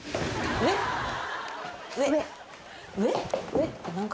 上って何階？